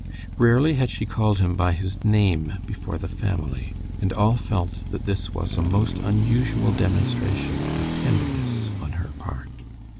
Rarely had she called him by his name before the family, and all felt that this was a most unusual demonstration of tenderness on her part.